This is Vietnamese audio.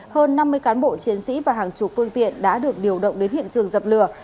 hơn năm mươi cán bộ chiến sĩ và hàng chục phương tiện đã được điều động đến hiện trường dập lửa